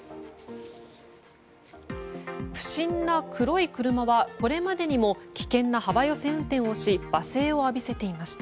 不審な黒い車はこれまでにも危険な幅寄せ運転をし罵声を浴びせていました。